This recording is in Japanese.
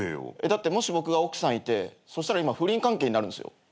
だってもし僕が奥さんいてそしたら今不倫関係になるんですよ。